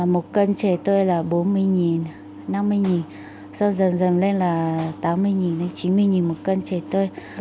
một cân chè tuyệt đối là bốn mươi nghìn năm mươi nghìn sau dần dần lên là tám mươi nghìn chín mươi nghìn một cân chè tuyệt đối